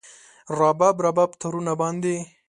رباب، رباب تارونو باندې